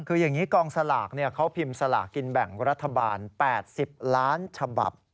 คืออย่างนี้กองสลากเขาพิมพ์สลากกินแบ่งรัฐบาล๘๐ล้านฉบับ